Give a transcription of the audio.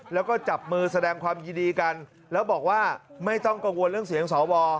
แล้วก็จับมือแสดงความยินดีกันแล้วบอกว่าไม่ต้องกังวลเรื่องเสียงสว